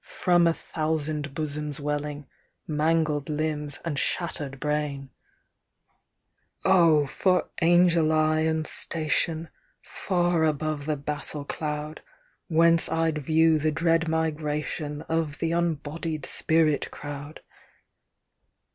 From a thousand bosoms welling, Mangled limbs and shattered brain ! THE HORKOKS OF WAR. 109 Oh ! for angel eye and station, Far above the battle cloud, Whence I'd view the dread migration Of the unbodied spirit crowd